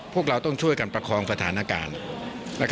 พวกเราต้องช่วยกันประคองสถานการณ์